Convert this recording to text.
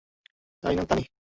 তাই না, তানি?